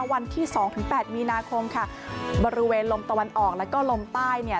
วันที่สองถึงแปดมีนาคมค่ะบริเวณลมตะวันออกแล้วก็ลมใต้เนี่ย